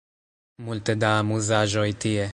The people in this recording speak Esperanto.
Multe da amuzaĵoj tie